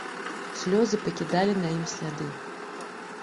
Слёзы пакідалі на ім сляды.